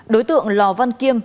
đối tượng lò văn kiêm